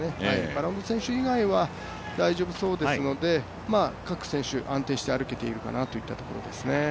バロンド選手以外は大丈夫そうですので各選手、安定して歩けているかなと思いますね。